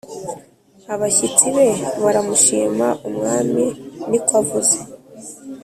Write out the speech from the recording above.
abashyitsi be baramushima Umwami ni ko avuze